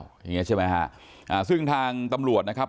อย่างเงี้ใช่ไหมฮะอ่าซึ่งทางตำรวจนะครับ